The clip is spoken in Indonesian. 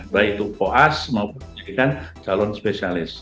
baik itu poas maupun pendidikan calon spesialis